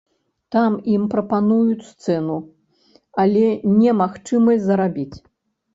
Там ім прапануюць сцэну, але не магчымасць зарабіць.